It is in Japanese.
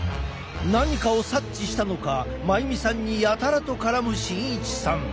何かを察知したのか真由美さんにやたらと絡む慎一さん。